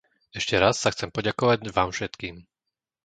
Ešte raz sa chcem poďakovať vám všetkým.